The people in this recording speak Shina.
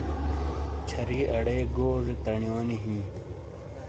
چھَری اڑے گوزے تنیونی ہِیں۔